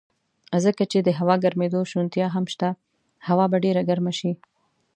ځکه چې د هوا ګرمېدو شونتیا هم شته، هوا به ډېره ګرمه شي.